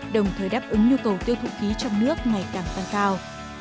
đồng thời đáp ứng nhu cầu tiêu thụ khí trong nước ngày càng tăng cao